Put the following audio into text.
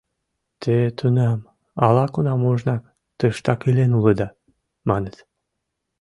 — Те тунам, ала-кунам ожнак, тыштак илен улыда, маныт.